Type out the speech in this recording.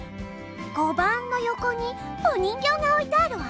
碁盤の横にお人形が置いてあるわ。